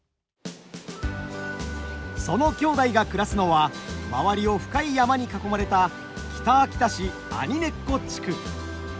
その兄弟が暮らすのは周りを深い山に囲まれた北秋田市阿仁根子地区。